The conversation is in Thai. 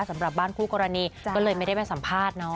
สำหรับบ้านคู่กรณีก็เลยไม่ได้ไปสัมภาษณ์เนาะ